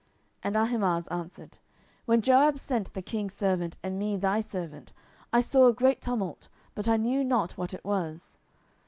And Ahimaaz answered, When Joab sent the king's servant, and me thy servant, I saw a great tumult, but I knew not what it was.